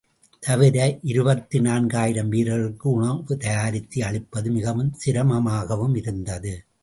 தவிர, இருபத்து நான்காயிரம் வீரர்களுக்கு உணவு தயாரித்து அளிப்பது மிகவும் சிரமமாகவும் இருந்தது.